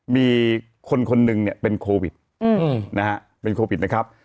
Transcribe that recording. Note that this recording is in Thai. มีคนคนหนึ่งเนี่ยเป็นโควิดนะฮะเป็นโควิดนะครับ